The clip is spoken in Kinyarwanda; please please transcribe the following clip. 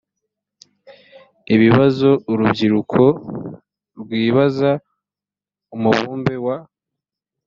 ibibazo urubyiruko rwibaza umubumbe wa